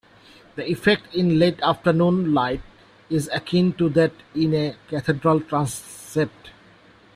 The effect in late afternoon light is akin to that in a cathedral transept.